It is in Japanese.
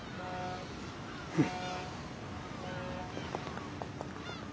うん。